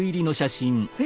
え！